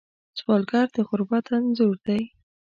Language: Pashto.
سوالګر د غربت انځور دی